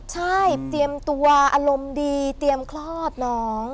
ใช่เตรียมตัวอารมณ์ดีเตรียมคลอดน้อง